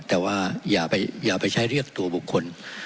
แต่ว่าอย่าไปใช้เรียกตัวบุคคล